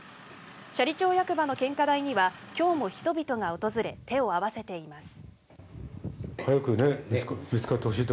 斜里町役場の献花台には今日も人々が訪れ手を合わせています。